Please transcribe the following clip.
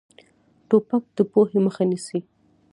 توپک د پوهې مخه نیسي.